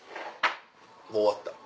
もう終わった。